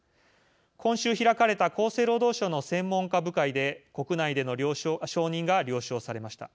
今週開かれた厚生労働省の専門家部会で国内での承認が了承されました。